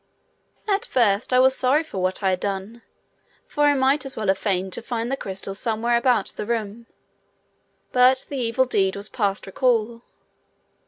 At first I was sorry for what I had done, for I might as well have feigned to find the crystal somewhere about the room; but the evil deed was past recall.